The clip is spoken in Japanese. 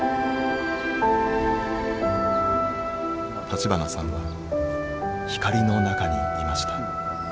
立花さんは光の中にいました。